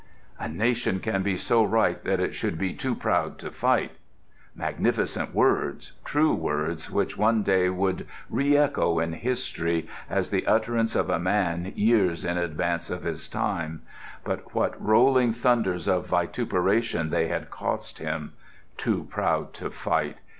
"A nation can be so right that it should be too proud to fight." Magnificent words, true words, which one day would re echo in history as the utterance of a man years in advance of his time—but what rolling thunders of vituperation they had cost him! Too proud to fight!...